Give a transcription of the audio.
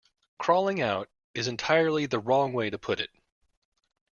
'Crawling out' is entirely the wrong way to put it.